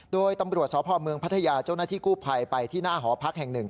โดยตำรวจสพเมืองพัทยาเจ้าหน้าที่กู้ภัยไปที่หน้าหอพักแห่งหนึ่ง